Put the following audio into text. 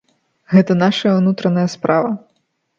Гэта нашая ўнутраная справа.